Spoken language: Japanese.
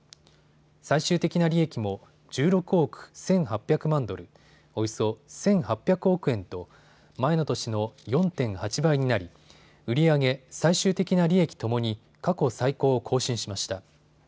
最終的な利益も１６億１８００万ドル、およそ１８００億円と前の年の４．８倍になり売り上げ、最終的な利益ともに過去最高を更新しました。